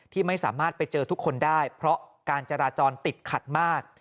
ที่ไม่สามารถไปเจอทุกคนได้เพราะการจราจรติดขัดมาก